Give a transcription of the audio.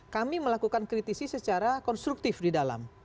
kami melakukan kritisi secara konstruktif di dalam